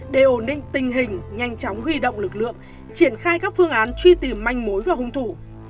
để ổn định tình hình nhanh chóng huy động lực lượng triển khai các phương án truy tìm manh mối và hung thủ